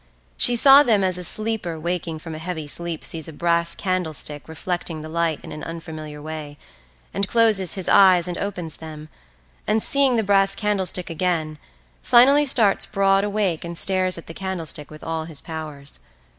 She saw them as a sleeper waking from a heavy sleep sees a brass candlestick reflecting the light in an unfamiliar way, and closes his eyes and opens them, and seeing the brass candlestick again, finally starts broad awake and stares at the candlestick with all his powers.